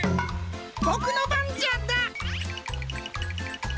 ボクのばんじゃだ。